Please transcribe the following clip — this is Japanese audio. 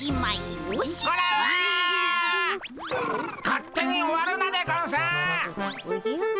勝手に終わるなでゴンスっ！